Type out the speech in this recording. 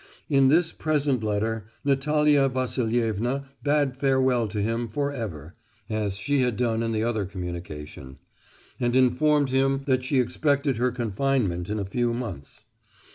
In this present letter Natalia Vasilievna bade farewell to him for ever (as she had done in the other communication), and informed him that she expected her confinement in a few months.